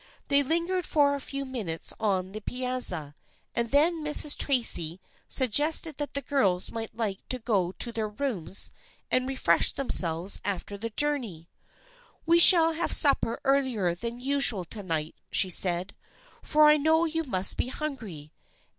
They lingered for a few minutes on the piazza, and then Mrs. Tracy suggested that the girls might like to go to their rooms and refresh themselves after the journey. " We shall have supper earlier than usual to night," she said, " for I know you must be hungry.